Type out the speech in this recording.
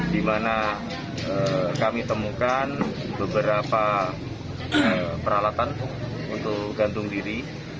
di mana kami temukan beberapa peralatan untuk gantung diri